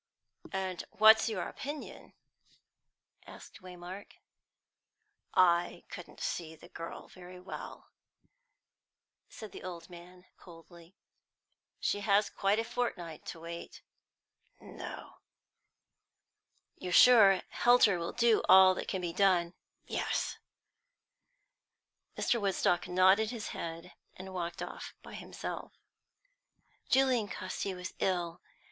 "And what's your opinion?" asked Waymark. "I couldn't see the girl very well," said the old man coldly. "She hasn't quite a fortnight to wait." "No." "You're sure Helter will do all that can be done?" "Yes." Mr. Woodstock nodded his head, and walked off by himself. Julian Casti was ill.